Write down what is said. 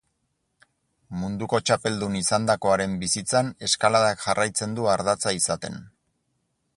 Munduko txapeldun izandakoaren bizitzan eskaladak jarraitzen du ardatza izaten.